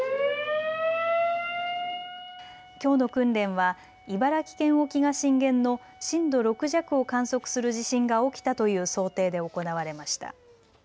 きょうの訓練は茨城県沖が震源の震度６弱を観測する地震が起きたという想定で行われました。